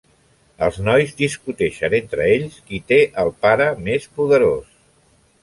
Els nois discuteixen entre ells qui té el pare més poderós.